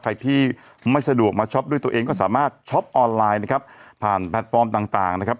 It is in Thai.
ใครที่ไม่สะดวกมาช็อปด้วยตัวเองก็สามารถช็อปออนไลน์นะครับผ่านแพลตฟอร์มต่างต่างนะครับ